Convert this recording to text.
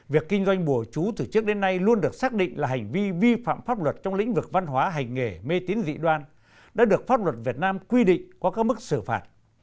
việc kinh doanh bùa chú từ trước đến nay luôn được xác định là hành vi vi phạm pháp luật trong lĩnh vực văn hóa hành nghề mê tín dị đoan đã được pháp luật việt nam quy định qua các mức xử phạt